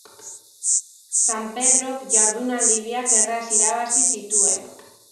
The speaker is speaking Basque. San Pedrok jardunaldi biak erraz irabazi zituen.